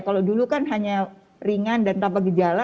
kalau dulu kan hanya ringan dan tanpa gejala